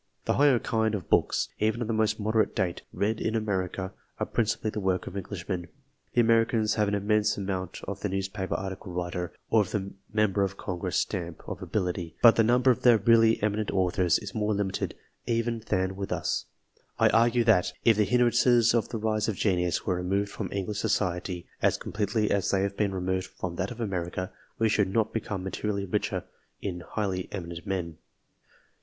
The higher kind of books, even of the most modern date, read in America, are principally the work of Englishmen. The Americans have an immense amount of the newspaper article writer, or of the member of congress stamp of ability; but the D 2 COMPARISON OF THE number of tlieir really eminent authors is more limited even than with us. I argue that, if the hindrances to the rise of genius, were removed from English society as com pletely as they have been removed from that of America, we should not become materially richer in highly eminent men.